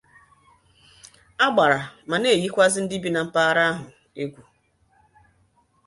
Agbara' ma na-eyikwazị ndị bi na mpaghara ahụ égwù.